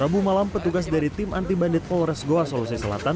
rabu malam petugas dari tim anti bandit polres goa sulawesi selatan